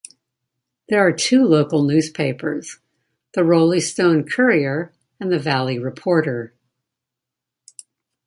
There are two local newspapers: the Roleystone Courier and the Valley Reporter.